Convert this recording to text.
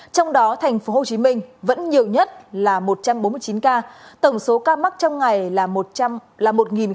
trong đó thành phố hồ chí minh vẫn nhiều nhất là một trăm bốn mươi chín ca tổng số ca mắc trong ngày là một bảy